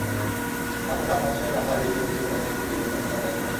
মাত্র সাত মাসের মাথায় ডিজিএম হিসেবে পদোন্নতি পেয়ে গুলশান শাখার দায়িত্ব পান।